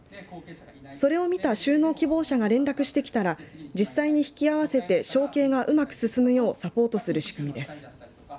それを見た就農希望者が連絡してきたら実際に引き合わせて承継がうまく進むようサポートする仕組みです。